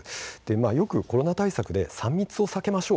よくコロナ対策で３密を避けましょう。